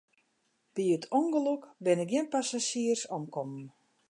By it ûngelok binne gjin passazjiers omkommen.